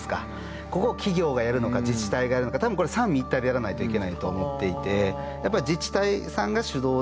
ここを企業がやるのか自治体がやるのか多分これ三位一体でやらないといけないと思っていてやっぱり自治体さんが主導を握る。